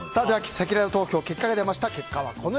せきらら投票、結果が出ました。